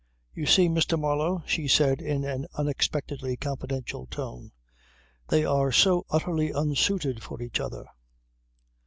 "You see, Mr. Marlow," she said in an unexpectedly confidential tone: "they are so utterly unsuited for each other."